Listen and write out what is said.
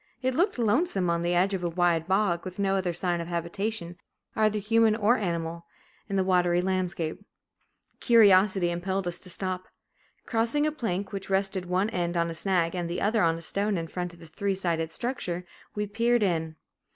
It looked lonesome, on the edge of a wide bog, with no other sign of habitation, either human or animal, in the watery landscape. Curiosity impelled us to stop. Crossing a plank, which rested one end on a snag and the other on a stone in front of the three sided structure, we peered in.